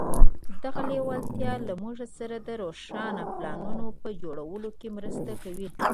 دغه لېوالتیا له موږ سره د روښانه پلانونو په جوړولو کې مرسته کوي.